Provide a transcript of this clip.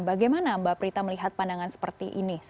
bagaimana mbak prita melihat pandangan seperti ini